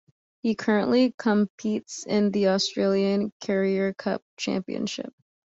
He currently competes in the Australian Carrera Cup Championship.